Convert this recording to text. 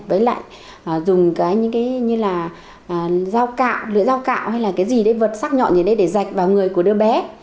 với lại dùng cái như là rau cạo lưỡi rau cạo hay là cái gì đấy vật sắc nhọn như thế để dạy vào người của đứa bé